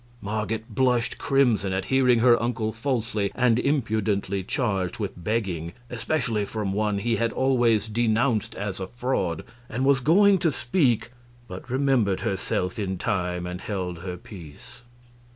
Marget blushed crimson at hearing her uncle falsely and impudently charged with begging, especially from one he had always denounced as a fraud, and was going to speak, but remembered herself in time and held her peace.